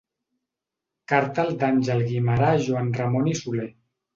Carta d'Àngel Guimerà a Joan Ramon i Soler.